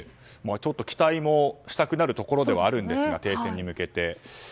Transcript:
ちょっと期待したくなるところではあるんですが停戦に向けて。